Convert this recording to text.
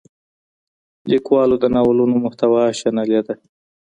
لیکوال د ناولونو محتوا شنلې ده.